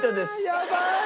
やばい！